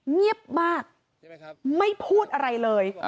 เงียบมากไม่พูดอะไรเลย